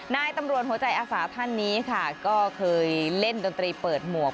นายตำรวจหัวใจอาสาท่านนี้ค่ะก็เคยเล่นดนตรีเปิดหมวก